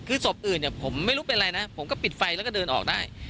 คือศพอื่นเนี่ยผมไม่รู้เป็นอะไรนะผมก็ปิดไฟแล้วก็เดินออกได้